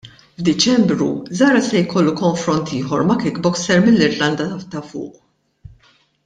F'Diċembru Zahra se jkollu konfront ieħor ma' kickboxer mill-Irlanda ta' Fuq.